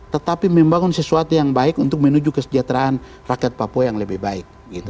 tetapi membangun sesuatu yang baik untuk menuju kesejahteraan rakyat papua yang lebih baik